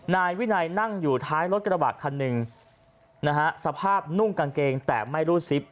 นายวินัยนั่งอยู่ท้ายรถกระบะคันหนึ่งนะฮะสภาพนุ่งกางเกงแต่ไม่รู้ซิป